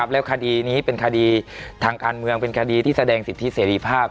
แล้วคดีนี้เป็นคดีทางการเมืองเป็นคดีที่แสดงสิทธิเสรีภาพ